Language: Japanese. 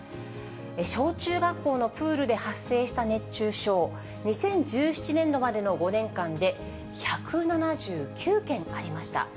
小中学校のプールで発生した熱中症、２０１７年度までの５年間で、１７９件ありました。